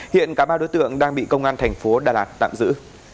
hiện cả ba đối tượng đang bị công an tp đà lạt tạm giữ